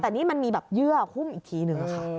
แต่นี่มันมีแบบเยื่อหุ้มอีกทีนึงค่ะ